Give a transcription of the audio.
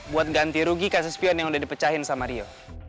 buat ganti rugi kasus pion yang udah dipecahin sama rio